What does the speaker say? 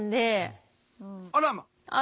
あらまっ。